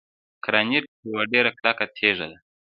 ګرانیټ یوه ډیره کلکه تیږه ده.